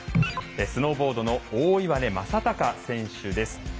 スノーボードの大岩根正隆選手です。